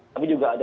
tapi juga ada